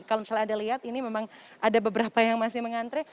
kalau misalnya anda lihat ini memang ada beberapa yang masih mengantre